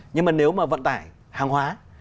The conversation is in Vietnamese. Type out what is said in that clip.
nhưng mà nếu mà vận tải hàng hóa